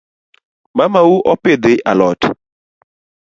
Mamau opidhi alot?